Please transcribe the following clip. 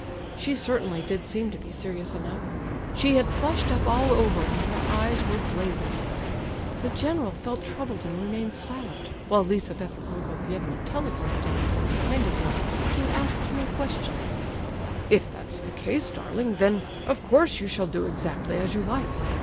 She certainly did seem to be serious enough. She had flushed up all over and her eyes were blazing. The general felt troubled and remained silent, while Lizabetha Prokofievna telegraphed to him from behind Aglaya to ask no questions. "If that's the case, darling—then, of course, you shall do exactly as you like.